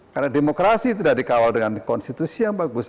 karena demokrasi tidak dikawal dengan konstitusi yang bagus